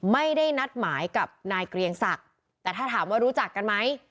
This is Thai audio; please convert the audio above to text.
ไม่ได้นัดหมายกับนายเกรียงศักดิ์แต่ถ้าถามว่ารู้จักกันไหม